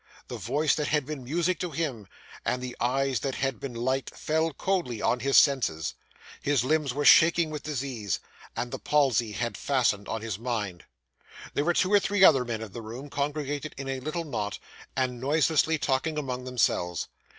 The voice that had been music to him, and the eyes that had been light, fell coldly on his senses. His limbs were shaking with disease, and the palsy had fastened on his mind. There were two or three other men in the room, congregated in a little knot, and noiselessly talking among themselves.